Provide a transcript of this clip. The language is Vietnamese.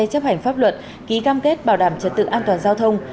chấp hành pháp luật ký cam kết bảo đảm trật tự an toàn giao thông